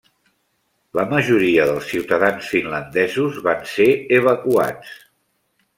La majoria dels ciutadans finlandesos van ser evacuats.